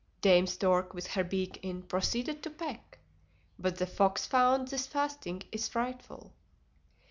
Dame Stork, with her beak in, proceeded to peck; But the Fox found that fasting is frightful.